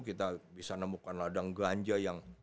kita bisa nemukan ladang ganja yang